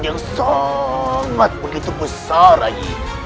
yang sangat begitu besar lagi